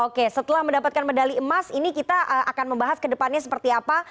oke setelah mendapatkan medali emas ini kita akan membahas ke depannya seperti apa